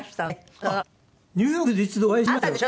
あっニューヨークで一度お会いしましたよ。